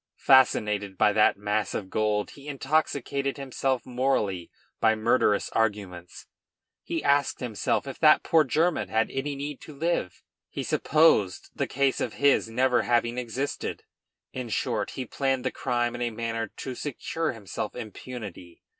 Fascinated by that mass of gold he intoxicated himself morally by murderous arguments. He asked himself if that poor German had any need to live; he supposed the case of his never having existed. In short, he planned the crime in a manner to secure himself impunity.